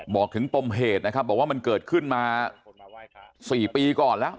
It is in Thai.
บอกถึงปมเหตุนะครับบอกว่ามันเกิดขึ้นมา๔ปีก่อนแล้ว